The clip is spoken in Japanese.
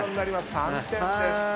３点です。